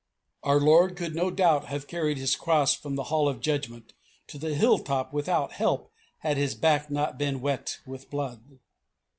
Our Lord could no doubt have carried His cross from the hall of judgment to the hill top without help had His back not been wet with blood.